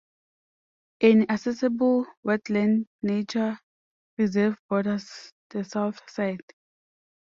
An accessible wetland nature reserve borders the south side.